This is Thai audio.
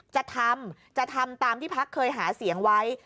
จะทำจะทำตามที่พักเคยหาเสียงไว้